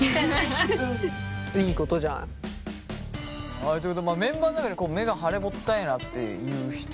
はいということでメンバーの中で目が腫れぼったいなっていう人います？